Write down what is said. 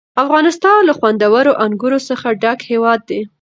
افغانستان له خوندورو انګورو څخه ډک هېواد دی.